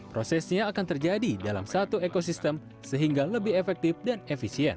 prosesnya akan terjadi dalam satu ekosistem sehingga lebih efektif dan efisien